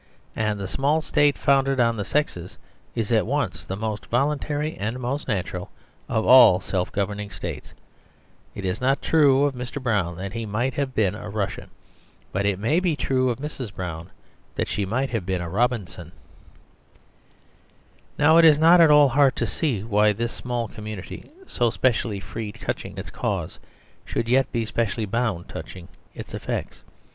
And the small state founded on the sexes is at once the most voluntary and the most natural of all self governing states. It is not true of Mr. Brown that he might hare been a Russian; The Superstition of Divorce 29 i^^— ^1.. I I I I II ^^— n il* but it may be true of Mrs. Brown that she might have been a Robinson. Now it is not at all hard to see why this small community, so specially free touching its cause, should yet be specially bound touch ing its effects.